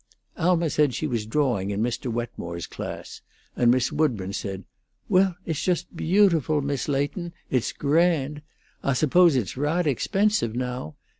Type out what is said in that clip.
Alma said she was drawing in Mr. Wetmore's class, and Miss Woodburn said: "Well, it's just beautiful, Miss Leighton; it's grand. Ah suppose it's raght expensive, now?